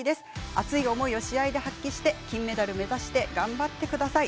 熱い思いを試合で発揮して金メダル目指して頑張ってください。